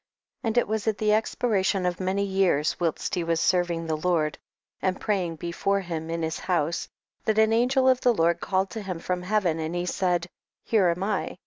3. And it was at the expiration of many years, whilst he was serving the Lord, and praying before him in his house, that an angel of the Lord called to him from Heaven, and he said, here am L 4.